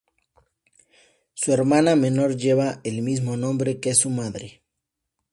Su hermana menor lleva el mismo nombre que su madre.